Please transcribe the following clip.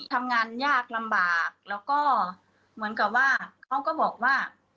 ทำงานยากลำบากแล้วก็เหมือนกับว่าเขาก็บอกว่า